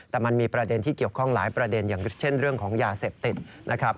แต่มันมีประเด็นที่เกี่ยวข้องหลายประเด็นอย่างเช่นเรื่องของยาเสพติดนะครับ